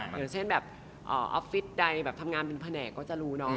อย่างเช่นแบบออฟฟิศใดแบบทำงานเป็นแผนกก็จะรู้เนาะ